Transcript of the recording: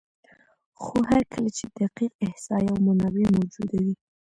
خو هر کله چې دقیق احصایه او منابع موجود وي،